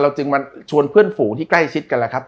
จึงมาชวนเพื่อนฝูงที่ใกล้ชิดกันแล้วครับ